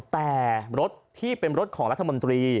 แต่รถที่เป็นรถของรัฐมนตรี